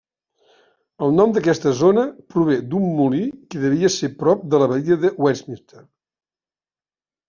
El nom d'aquesta zona prové d'un molí que devia ser prop de l'Abadia de Westminster.